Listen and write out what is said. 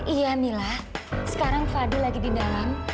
iya nila sekarang fadil lagi di dalam